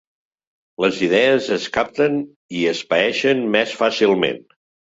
Les idees es capten i es paeixen més fàcilment.